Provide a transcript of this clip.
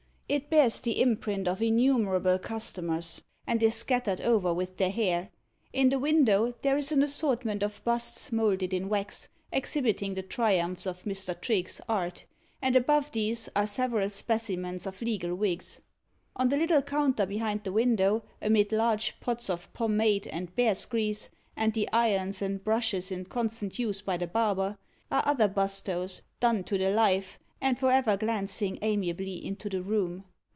It bears the imprint of innumerable customers, and is scattered over with their hair. In the window, there is an assortment of busts moulded in wax, exhibiting the triumphs of Mr. Trigge's art; and above these are several specimens of legal wigs. On the little counter behind the window, amid large pots of pomade and bears' grease, and the irons and brushes in constant use by the barber, are other bustos, done to the life, and for ever glancing amiably into the room.